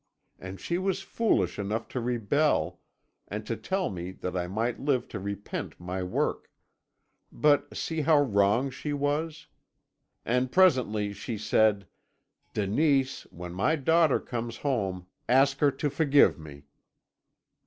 And she was foolish enough to rebel, and to tell me that I might live to repent my work; but see how wrong she was. And presently she said: 'Denise, when my daughter comes home ask her to forgive me.'